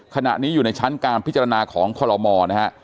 ขณะนี้อยู่ในชั้นการพิจารณาของคลมนะครับ